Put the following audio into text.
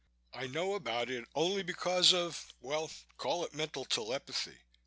I know about it only because of well, call it mental telepathy.